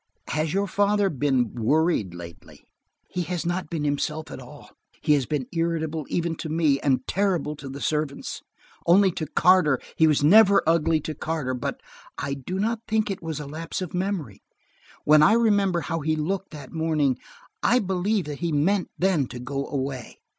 Has your father been worried lately?" "He has not been himself at all. He has been irritable, even to me, and terrible to the servants. Only to Carter–he was never ugly to Carter. But I do not think it was a lapse of memory. When I remember how he looked that morning, I believe that he meant then to go away.